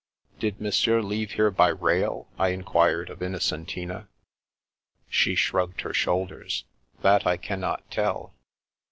" Did Monsieur leave here by rail ?" I enquired of Innocentina. She shrugged her shoulders. "That I cannot tell."